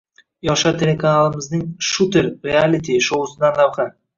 Yoshlar telekanalimizning "Shooter" realiti -shousidan lavha